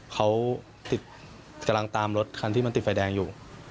เขากำลังตามรถคันที่มันติดไฟแดงอยู่